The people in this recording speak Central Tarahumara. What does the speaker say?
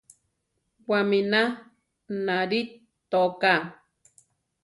Wamína narí toká.